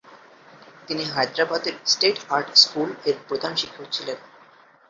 তিনি হায়দ্রাবাদের 'state art স্কুল'-এর প্রধানশিক্ষক ছিলেন।